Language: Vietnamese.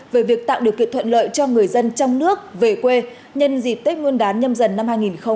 về việc tạo điều kiện thuận lợi cho người dân trong nước về quê nhân dịp tết nguyên đán nhâm dần năm hai nghìn hai mươi